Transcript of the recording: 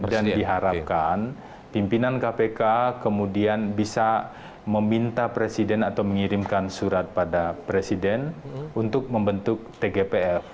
dan diharapkan pimpinan kpk kemudian bisa meminta presiden atau mengirimkan surat pada presiden untuk membentuk tgpf